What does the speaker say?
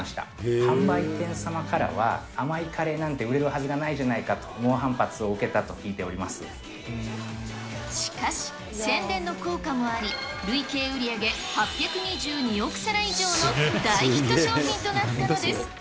販売店様からは、甘いカレーなんて売れるはずがないじゃないかと、猛反発を受けたしかし、宣伝の効果もあり、累計売り上げ８２２億皿以上の大ヒット商品となったのです。